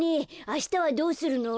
あしたはどうするの？